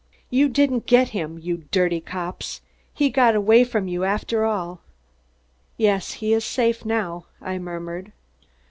"You didn't get him, you dirty cops. He got away from you, after all." "Yes, he's safe now," I murmured.